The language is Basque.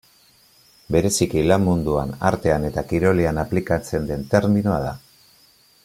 Bereziki lan munduan, artean eta kirolean aplikatzen den terminoa da.